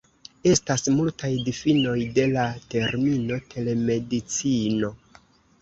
Estas multaj difinoj de la termino "Telemedicino".